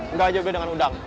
enggak aja udah dengan udang